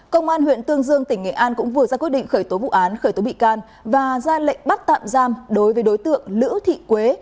công an huyện tương dương tỉnh nghệ an cũng vừa ra quyết định khởi tố vụ án khởi tố bị can và ra lệnh bắt tạm giam đối với đối tượng lữ thị quế